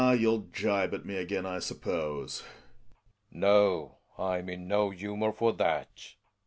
youll gibe at me again, I suppose ? Reeling. No, Fm in no humor for that.